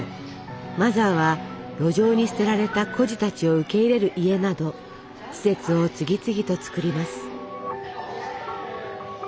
マザーは路上に捨てられた孤児たちを受け入れる家など施設を次々とつくります。